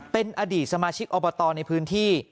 เป็นอดีตสมาชิกอบตในพื้นที่